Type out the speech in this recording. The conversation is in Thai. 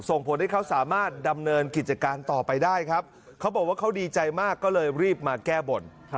ส่งผลให้เขาสามารถดำเนินกิจการต่อไปได้ครับเขาบอกว่าเขาดีใจมากก็เลยรีบมาแก้บน